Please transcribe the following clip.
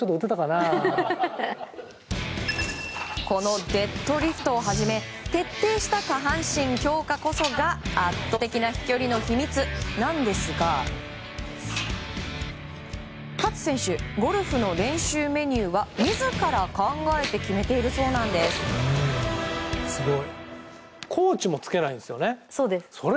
このデッドリフトをはじめ徹底した下半身強化こそが圧倒的な飛距離の秘密なんですが勝選手、ゴルフの練習メニューは自ら考えて決めているそうなんです。